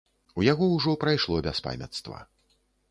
У яго ўжо прайшло бяспамяцтва.